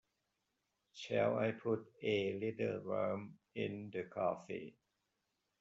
Shall I put a little rum in the coffee?